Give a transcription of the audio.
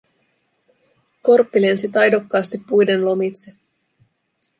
Korppi lensi taidokkaasti puiden lomitse